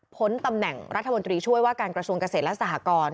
ตำแหน่งรัฐมนตรีช่วยว่าการกระทรวงเกษตรและสหกร